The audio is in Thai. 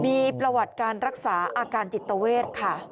มีประวัติการรักษาอาการจิตเวทค่ะ